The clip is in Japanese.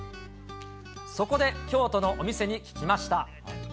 そこで、京都のお店に聞きました。